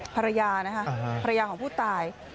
ภรรยานะคะภรรยาของผู้ตาย